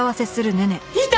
いた！